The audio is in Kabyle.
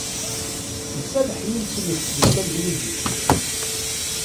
Iserreḥ yiles-nnek deg tanglizit.